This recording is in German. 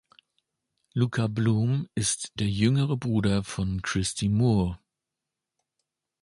Luka Bloom ist der jüngere Bruder von Christy Moore.